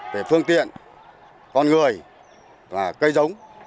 về phương tiện con người và cây giống